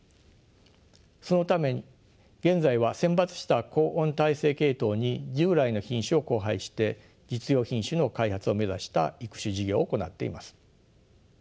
そのため現在は選抜した高温耐性系統に従来の品種を交配して実用品種の開発を目指した育種事業を行っています。